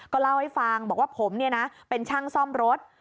เล่าให้ฟังบอกว่าผมเป็นช่างซ่อมรถ